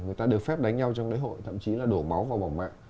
người ta được phép đánh nhau trong lễ hội thậm chí là đổ máu vào bóng mạng